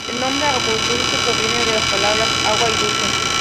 El nombre Aguadulce, proviene de las palabras, Agua y Dulce.